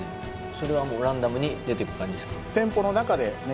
それはランダムに出ていく感じですか？